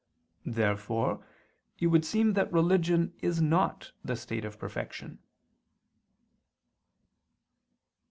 Therefore it would seem that religion is not the state of perfection.